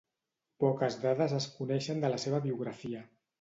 Poques dades es coneixen de la seva biografia.